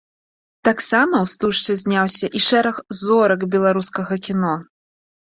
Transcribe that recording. Таксама ў стужцы зняўся і шэраг зорак беларускага кіно.